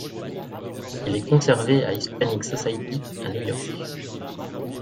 Il est conservé à Hispanic Society, à New York.